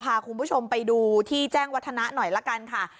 พาคุณผู้ชมไปดูที่แจ้งวัฒนะหน่อยละกันค่ะ